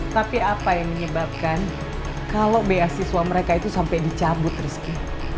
tapi apa yang menyebabkan kalau beasiswa mereka itu sampai dicabut rizky